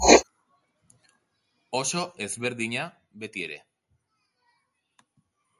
Oso ezberdina, beti ere.